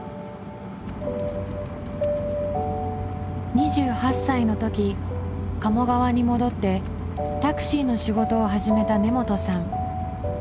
２８歳の時鴨川に戻ってタクシーの仕事を始めた根本さん。